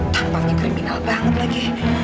tampaknya kriminal banget lagi